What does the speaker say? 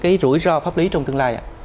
cái rủi ro pháp lý trong tương lai ạ